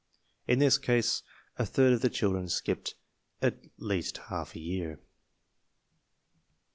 In this class a third of the children skipped at least half a year.